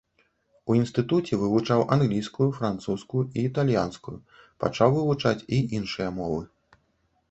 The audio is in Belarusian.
У інстытуце вывучаў англійскую, французскую і італьянскую, пачаў вывучаць і іншыя мовы.